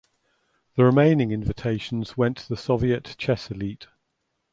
The remaining invitations went to the Soviet chess elite.